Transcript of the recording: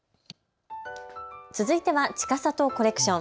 続いてはちかさとコレクション。